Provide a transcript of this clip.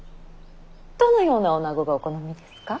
どのような女子がお好みですか。